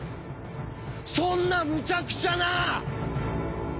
そんなむちゃくちゃな！